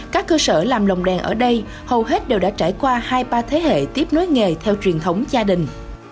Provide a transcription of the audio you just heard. các cơ sở làm lồng đèn ở đây hầu hết đều đã trải qua hai ba thế hệ tiếp nối nghề theo truyền thống gia đình